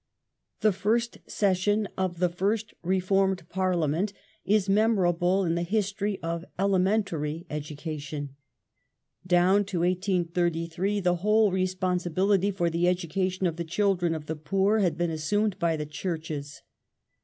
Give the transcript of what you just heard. ^ The first session of the first reformed Pai liament is memorable The first in the history of elementary education. Down to 1833 the whole ^j."^j *°" responsibility for the education of the children of the poor had been assumed by the Churches.